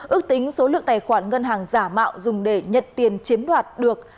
ước tính số lượng tài khoản ngân hàng giả mạo dùng để nhận tiền chiếm đoạt được